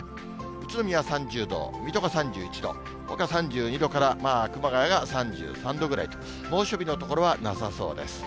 宇都宮３０度、水戸が３１度、ほか３２度からまあ、熊谷が３３度くらいと、猛暑日の所はなさそうです。